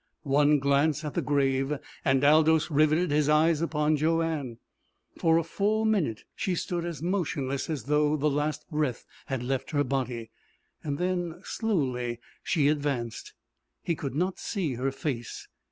One glance at the grave and Aldous riveted his eyes upon Joanne. For a full minute she stood as motionless as though the last breath had left her body. Then, slowly, she advanced. He could not see her face.